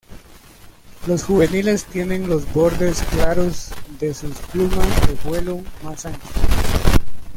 Los juveniles tienen los bordes claros de sus plumas de vuelo más anchos.